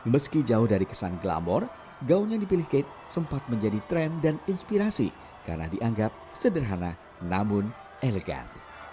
meski jauh dari kesan glamor gaun yang dipilih kate sempat menjadi tren dan inspirasi karena dianggap sederhana namun elegan